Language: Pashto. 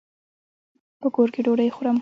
په کور کي ډوډۍ خورم.